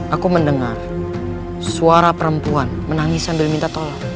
aku mendengar suara perempuan menangis sambil minta tolong